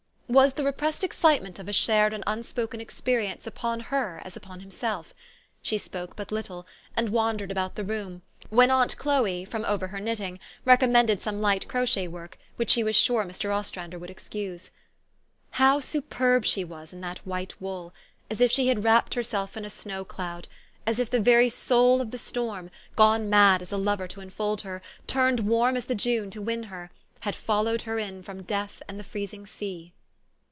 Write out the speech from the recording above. "Was the repressed excitement of a shared and unspoken experience upon her as upon himself? She spoke but little, and wandered about the room, when aunt Chloe, from over her knitting, recom mended some light crochet work, which she was sure Mr. Ostrander would excuse. THE STORY OF AVIS. 93 How superb she was in that white wool! as if she had wrapped herself in a snow cloud ; as if the very soul of the storm, gone mad as a lover to in fold her, turned warm as the June to win her, had followed her in from death and the freezing sea.